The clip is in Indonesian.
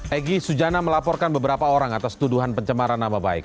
egy sujana melaporkan beberapa orang atas tuduhan pencemaran nama baik